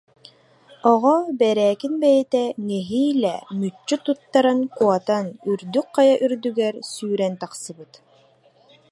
Оҕо Бэрээкин бэйэтэ нэһиилэ мүччү туттаран куотан үрдүк хайа үрдүгэр сүүрэн тахсыбыт